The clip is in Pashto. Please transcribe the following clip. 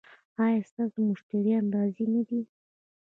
ایا ستاسو مشتریان راضي نه دي؟